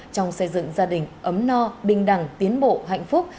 trong xây dựng gia đình ấm no bình đẳng tiến bộ hạnh phúc